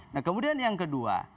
nah kemudian yang kedua